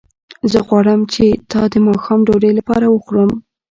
زه غواړم چې تا د ماښام ډوډۍ لپاره وخورم